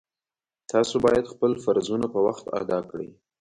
تاسو باید خپل فرضونه په وخت ادا کړئ